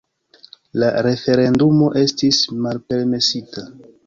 La referendumo estis malpermesita.